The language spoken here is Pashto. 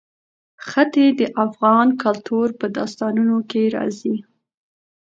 ښتې د افغان کلتور په داستانونو کې راځي.